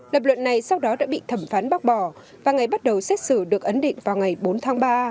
lập luận này sau đó đã bị thẩm phán bác bỏ và ngày bắt đầu xét xử được ấn định vào ngày bốn tháng ba